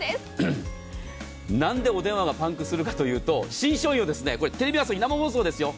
なんでお電話がパンクするかというと新商品をテレビ朝日生放送ですよ